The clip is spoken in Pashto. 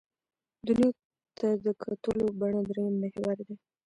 دنیا ته د کتلو بڼه درېیم محور دی.